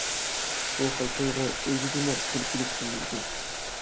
بۇ خىل تۇيغۇ ئۆزىگىمۇ كۈلكىلىك تۇيۇلدى.